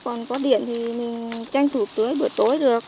còn có điện thì mình tranh thủ tưới buổi tối được